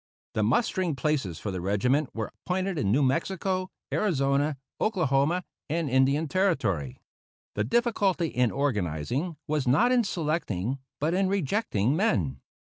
The mustering places for the regiment were appointed in New Mexico, Arizona, Oklahoma, and Indian Territory. The difficulty in organizing was not in selecting, but in rejecting men.